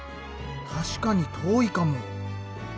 確かに遠いかも。